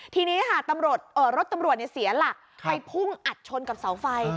ทีนี้ค่ะรถตำรวจเสียหลักไปพุ่งอัดชนกับเสาไฟ